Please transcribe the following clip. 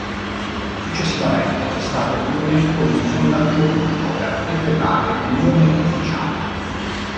Successivamente, è stato indetto un sondaggio pubblico per decretare il nome ufficiale.